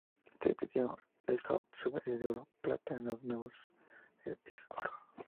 En este video, el Bot Shuffle es de plata, en los nuevos es oro.